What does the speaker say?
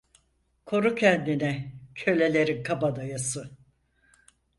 Koru kendini, kölelerin kabadayısı…